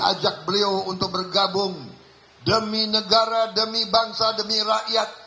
ajak beliau untuk bergabung demi negara demi bangsa demi rakyat